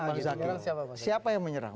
pak andi siapa yang menyerang